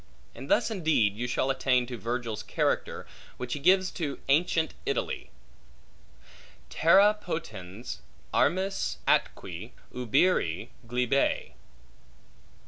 And thus indeed you shall attain to Virgil's character which he gives to ancient Italy: Terra potens armis atque ubere glebae.